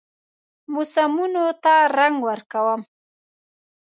موسمونو ته رنګ ورکوم